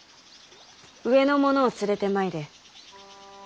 上の者を連れてまいれ。